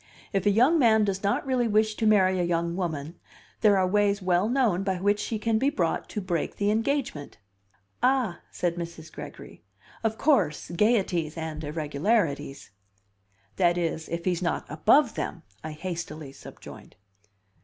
If a young man does not really wish to marry a young woman there are ways well known by which she can be brought to break the engagement." "Ah," said Mrs. Gregory, "of course; gayeties and irregularities " "That is, if he's not above them," I hastily subjoined.